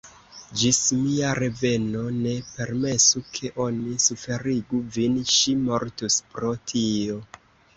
Ĝis mia reveno, ne permesu ke oni suferigu vin: ŝi mortus pro tio!